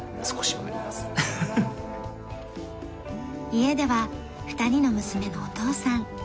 家では２人の娘のお父さん。